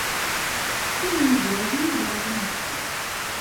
Sin n yimezrawen ay iɣaben ass-a.